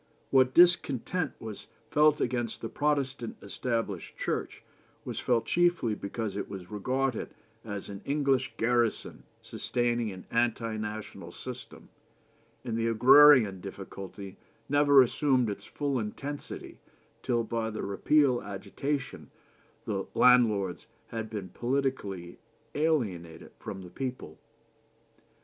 What discontent was felt against the Protestant Established Church was felt chiefly because it was regarded as an English garrison sustaining an anti national system; and the agrarian difficulty never assumed its full intensity till by the repeal agitation the landlords had been politically alienated from the people."